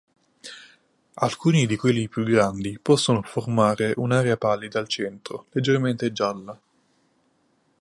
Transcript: Alcuni di quelli più grandi possono formare un'area pallida al centro leggermente gialla.